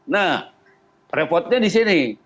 nah repotnya di sini